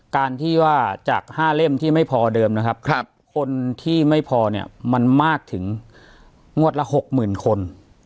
คนที่ไม่พอเนี่ยมันมากถึงงวดละหกหมื่นคน